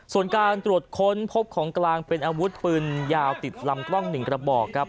ส่วนการตรวจค้นพบของกลางเป็นอาวุธปืนยาวติดลำกล้อง๑กระบอกครับ